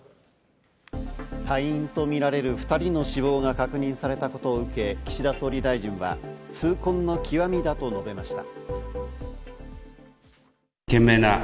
隊員とみられる２人の死亡が確認されたことを受け、岸田総理は痛恨の極みだと述べました。